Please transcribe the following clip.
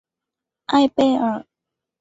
艾贝尔。